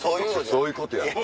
そういうことやって。